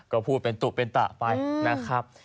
ก็พูดเป็นตุเป็นตะไปนะครับ